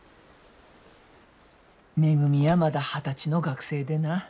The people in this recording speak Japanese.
めぐみやまだ二十歳の学生でな。